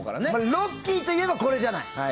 「ロッキー」といえばこれじゃない。